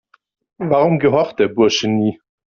Warum gehorcht der Bursche nie?